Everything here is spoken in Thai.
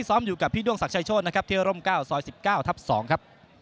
สอย๑๙ทับ๒ครับ